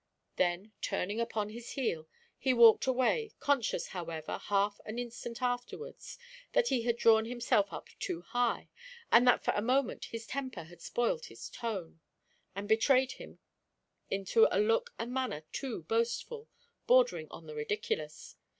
Then, turning upon his heel, he walked away, conscious, however, half an instant afterwards, that he had drawn himself up too high, and that for a moment his temper had spoiled his tone, and betrayed him into a look and manner too boastful, bordering on the ridiculous.